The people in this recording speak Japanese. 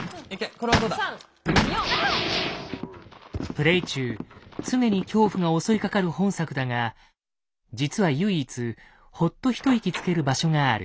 プレイ中常に恐怖が襲いかかる本作だが実は唯一ほっと一息つける場所がある。